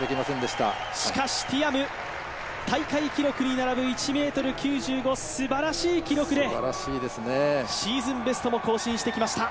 しかしティアム、大会記録に並ぶ１ｍ９５、すばらしい記録でシーズンベストも更新してきました。